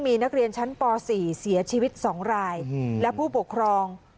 มีนักเรียนชั้นป๔เสียชีวิต๒รายและผู้ปกครอง